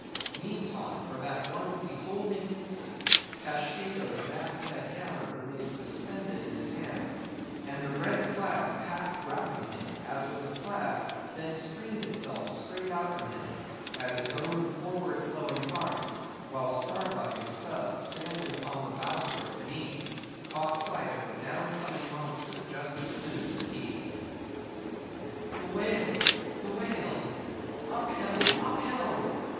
Meantime, for that one beholding instant, Tashtego's mast head hammer remained suspended in his hand; and the red flag, half wrapping him as with a plaid, then streamed itself straight out from him, as his own forward flowing heart; while Starbuck and Stubb, standing upon the bowsprit beneath, caught sight of the down coming monster just as soon as he. "The whale, the whale! Up helm, up helm!